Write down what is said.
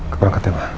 keperangkat ya mbak